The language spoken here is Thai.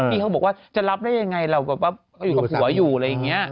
พี่เขาบอกว่าจะรับได้ยังไงเราแบบว่าอยู่กับผัวอยู่อะไรอย่างนี้